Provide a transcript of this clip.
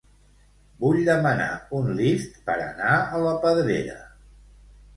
Vull demanar un Lyft per anar a la Pedrera.